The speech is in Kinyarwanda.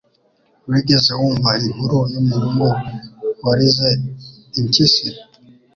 Wigeze wumva inkuru yumuhungu warize impyisi?